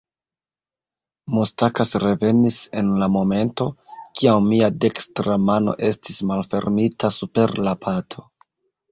Mustakas revenis en la momento, kiam mia dekstra mano estis malfermita super la pato.